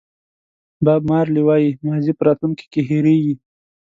باب مارلې وایي ماضي په راتلونکي کې هېرېږي.